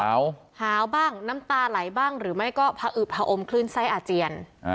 หาวบ้างน้ำตาไหลบ้างหรือไม่ก็ผอึบผอมคลื่นไส้อาเจียน